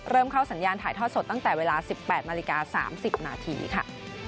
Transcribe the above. เริ่มเข้าสัญญาณถ่ายทอดสดตั้งแต่เวลา๑๘นาฬิกา๓๐นาทีค่ะ